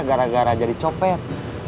gara gara jadi copet